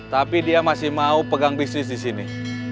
tapi dia masih mau pegang bisnis di sini